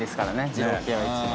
二郎系は、一番。